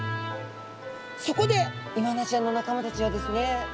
そこでイワナちゃんの仲間たちはですね